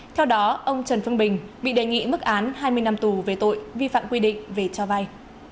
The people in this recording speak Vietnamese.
theo đó ông trần phương bình bị đề nghị mức án hai mươi năm tù về tội vi phạm quy định về cho vay